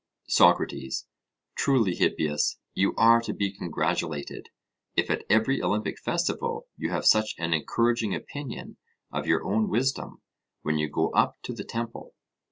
SOCRATES: Truly, Hippias, you are to be congratulated, if at every Olympic festival you have such an encouraging opinion of your own wisdom when you go up to the temple.